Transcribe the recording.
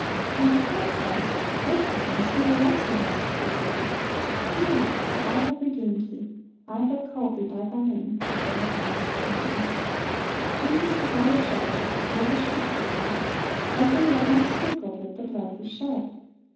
When He calls thus, listen, and see what else He has to say to you: " Fear not ; for I have redeemed thee, Little Pillows. J l I have called thee by thy name; thou art mine!". "Jeans is our Shepherd, For the sheep He bled; Every lamb is sprinkled With the blood He shed.